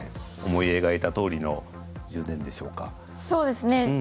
思い描いたとおりのそうですね。